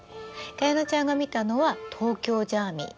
加弥乃ちゃんが見たのは東京ジャーミイ。